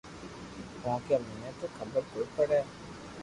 ڪونڪھ مني تو خبر ڪوئي پڙي ھي